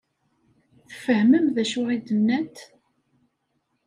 Tfehmem d acu i d-nnant?